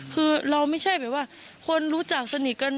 คือเราไม่ใช่แบบว่าคนรู้จักสนิทกัน